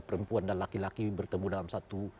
perempuan dan laki laki bertemu dalam satu